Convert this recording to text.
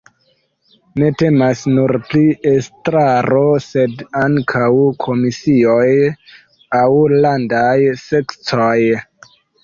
Ne temas nur pri estraro, sed ankaŭ komisionoj aŭ landaj sekcioj.